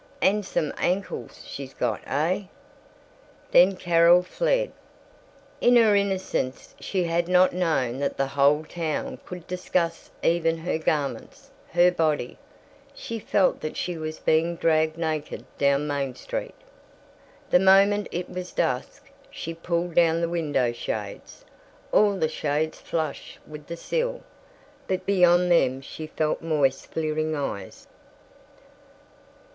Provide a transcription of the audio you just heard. And some ankles she's got, heh?" Then Carol fled. In her innocence she had not known that the whole town could discuss even her garments, her body. She felt that she was being dragged naked down Main Street. The moment it was dusk she pulled down the window shades, all the shades flush with the sill, but beyond them she felt moist fleering eyes.